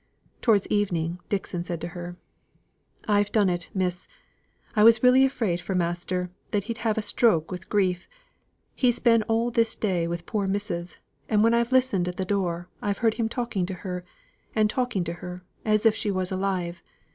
Towards evening Dixon said to her: "I've done it, miss. I was really afraid for master, that he'd have a stroke with grief. He's been all this day with poor missus; and when I've listened at the door, I've heard him talking to her, and talking to her, as if she was alive.